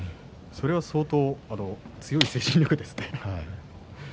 それは相当強い精神力ですね。